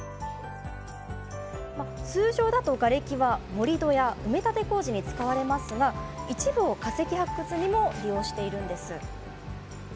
通常だと、がれきは盛り土や埋め立て工事に使われますが一部を化石発掘にも利用しているんです。